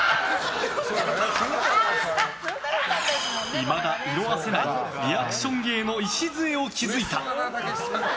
いまだ色あせないリアクション芸の礎を築いた。